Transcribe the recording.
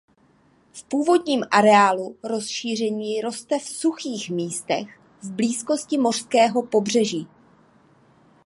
V původním areálu rozšíření roste v suchých místech v blízkosti mořského pobřeží.